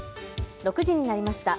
６時になりました。